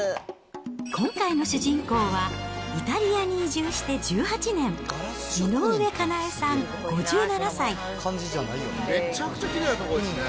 今回の主人公は、イタリアに移住して１８年、めっちゃくちゃきれいな所ですね。